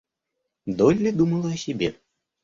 Долли думала о себе.